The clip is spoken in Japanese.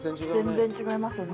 全然違いますね。